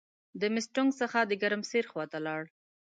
د مستونګ څخه د ګرمسیر خواته ولاړ.